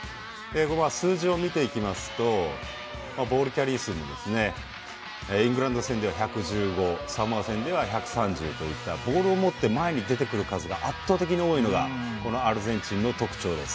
数字を見ていきますとボールキャリー数もイングランド戦では１１５サモア戦では１３０といったボールを持って前に出てくる数が圧倒的に多いのがアルゼンチンの特徴です。